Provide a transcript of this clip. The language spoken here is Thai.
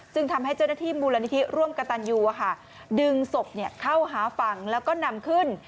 ทำให้เจ้าหน้าที่มูลนิธิร่วมกระตันยูดึงศพเข้าหาฝั่งแล้วก็นำขึ้น